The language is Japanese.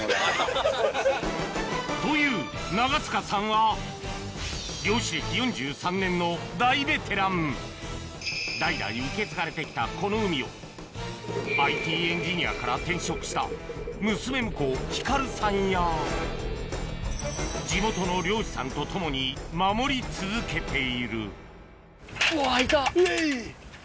という長塚さんは大ベテラン代々受け継がれてきたこの海をＩＴエンジニアから転職した娘婿光さんや地元の漁師さんと共に守り続けているうわ。